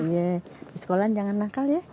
iya di sekolah jangan nakal ya